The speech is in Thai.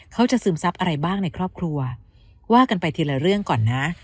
ซึมซับอะไรบ้างในครอบครัวว่ากันไปทีละเรื่องก่อนนะ